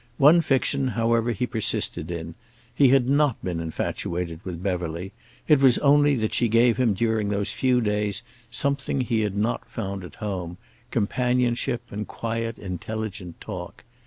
One fiction, however, he persisted in; he had not been infatuated with Beverly. It was only that she gave him during those few days something he had not found at home, companionship and quiet intelligent talk.